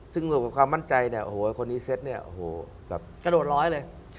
ซึ่งกับความมั่นใจโอ้โหคนทีมเซ็ตกระโดดร้อยเลย